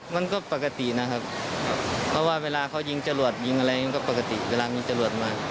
มันก็ปกตินะครับเพราะว่าเวลาเขายิงจรวดยิงอะไรมันก็ปกติเวลามีจรวดมา